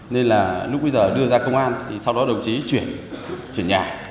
nên là lúc bây giờ đưa ra công an thì sau đó đồng chí chuyển nhà